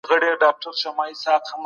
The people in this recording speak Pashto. په کتابتون کي د موضوعاتو تنوع موجوده ده.